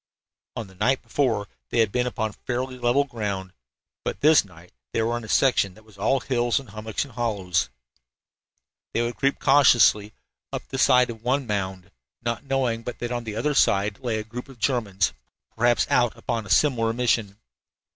On the night before they had been upon fairly level ground, but this night they were in a section that was all hills and hummocks and hollows. They would creep cautiously up the side of one mound, not knowing but that on the other side lay a group of Germans, perhaps out upon a similar mission.